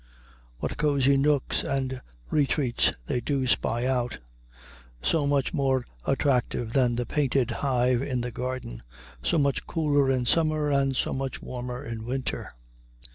What cozy nooks and retreats they do spy out, so much more attractive than the painted hive in the garden, so much cooler in summer and so much warmer in winter!